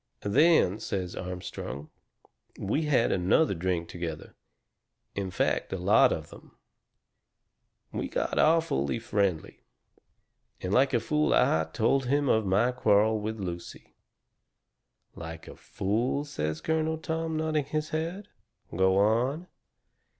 "Then," says Armstrong, "we had another drink together. In fact, a lot of them. We got awfully friendly. And like a fool I told him of my quarrel with Lucy." "LIKE a fool," says Colonel Tom, nodding his head. "Go on."